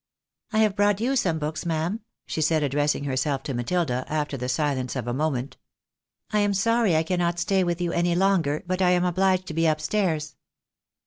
" I have brought you some books, ma'am," she said, addressing herself to Matilda, after the silence of a moment. " I am sorry ABSURD MISPRINT. 75 I cannot stay with you any longer, but I am obliged to be up stairs."